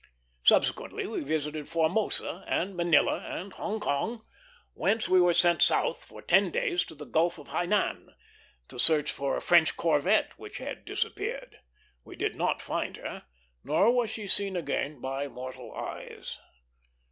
Subsequently we visited Formosa and Manila and Hong Kong; whence we were sent south for ten days to the Gulf of Hainan to search for a French corvette which had disappeared. We did not find her, nor was she again seen by mortal eyes.